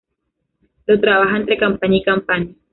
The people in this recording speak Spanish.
Lo trabaja entre campaña y campaña.